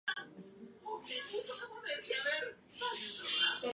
Otra representación matricial para las relaciones binarias es la matriz de adyacencia.